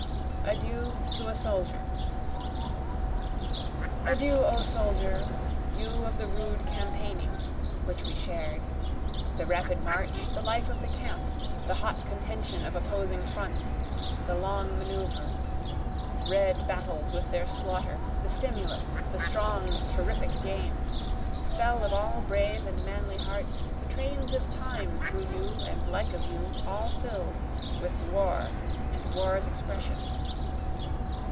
Adieu to a Soldier Adieu O soldier, You of the rude campaigning, (which we shared,) The rapid march, the life of the camp, The hot contention of opposing fronts, the long manœuvre, Red battles with their slaughter, the stimulus, the strong terrific game, Spell of all brave and manly hearts, the trains of time through you and like of you all fill'd, With war and war's expression.